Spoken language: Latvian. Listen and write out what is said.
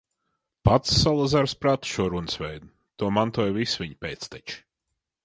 Pats Salazars prata šo runas veidu, to mantoja visi viņa pēcteči.